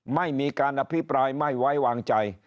ไม่มีการอภิปรายไม่ไว้วางใจ